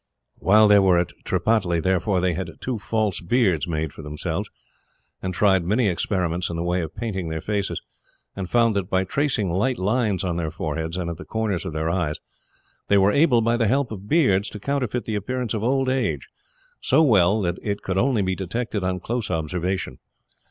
While they were at Tripataly, therefore, they had two false beards made for themselves, and tried many experiments in the way of painting their faces; and found that by tracing light lines on their foreheads, and at the corners of their eyes, they were able, by the help of beards, to counterfeit the appearance of old age, so well that it could only be detected on close observation.